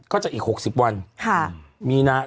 ก็จะอีก๖๐วัน